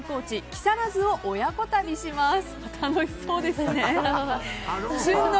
木更津を親子旅します。